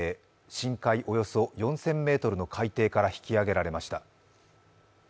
深海およそ４０００ｍの海底から引き揚げられました。